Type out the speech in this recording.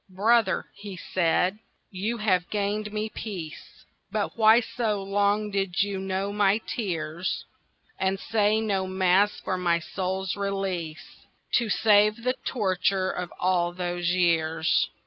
"Brother," he said, "you have gained me peace, But why so long did you know my tears, And say no Mass for my soul's release, To save the torture of all those years?"